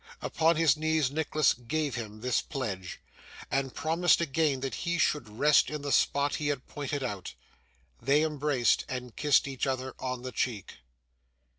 Upon his knees Nicholas gave him this pledge, and promised again that he should rest in the spot he had pointed out. They embraced, and kissed each other on the cheek.